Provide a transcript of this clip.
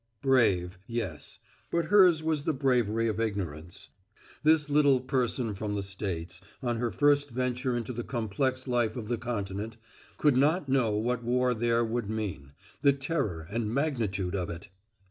Brave, yes; but hers was the bravery of ignorance. This little person from the States, on her first venture into the complex life of the Continent, could not know what war there would mean; the terror and magnitude of it.